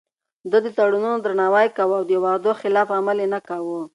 ده د تړونونو درناوی کاوه او د وعدو خلاف عمل يې نه کاوه.